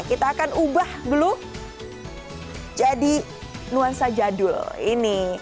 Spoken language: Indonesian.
kita akan ubah dulu jadi nuansa jadul ini